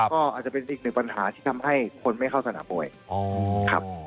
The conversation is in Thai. ก็อาจจะเป็นอีกหนึ่งปัญหาที่ทำให้คนไม่เข้าสนามมวยครับ